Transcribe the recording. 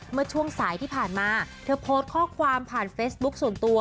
เมื่อช่วงสายที่ผ่านมาเธอโพสต์ข้อความผ่านเฟซบุ๊คส่วนตัว